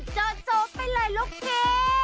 เจอะโจ๊กไปเลยโลโกเก